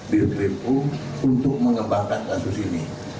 birgripu untuk mengembangkan kasus ini